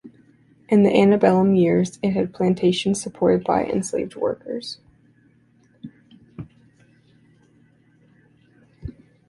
In the antebellum years it had plantations supported by enslaved workers.